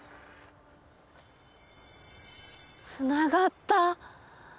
つながった！